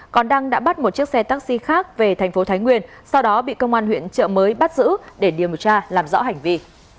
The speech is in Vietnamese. còn đăng đã bắt một chiếc xe taxi khác về thành phố thái nguyên sau đó bị công an huyện trợ mới bắt giữ để điều tra làm rõ hành vi